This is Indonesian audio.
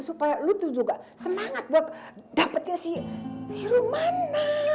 supaya lo itu juga semangat buat dapetin si rumana